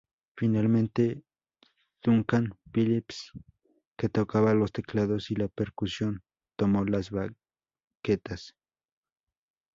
Finalmente, Duncan Phillips, que tocaba los teclados y la percusión tomó las baquetas.